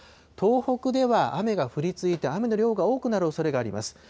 東北では雨が降り続いて、雨の量が多くなるおそれがあります。